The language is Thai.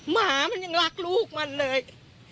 หมามันยังรักลูกมันเลย